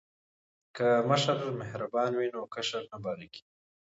که مشر مهربان وي نو کشر نه باغی کیږي.